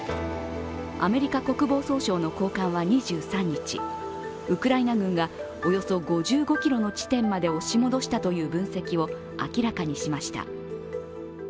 アメリカ国防総省の高官は２３日ウクライナ軍がおよそ５５ｋｍの地点まで押し戻したという分析を明らかにしました。